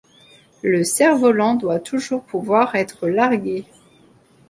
Le cerf-volant doit toujours pouvoir être largué.